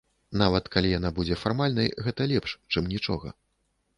Нават калі яна будзе фармальнай, гэта лепш, чым нічога.